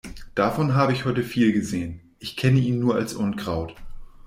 Davon hab ich heute viel gesehen. Ich kenne ihn nur als Unkraut.